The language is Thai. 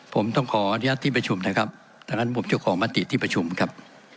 ผมต้องขออนุญาตที่ประชุมนะครับตอนนั้นผมเจ้าของมติที่ประชุมครับ